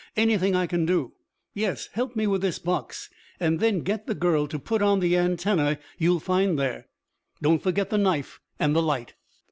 Anything I can do?" "Yes. Help me with this box, and then get the girl to put on the antenna you'll find there. Don't forget the knife and the light."